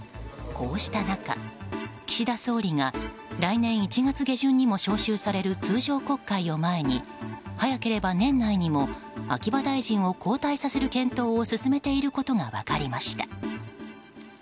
こうした中、岸田総理が来年１月下旬にも召集される通常国会を前に早ければ年内にも秋葉大臣を交代させる検討を進めていることが分かりました。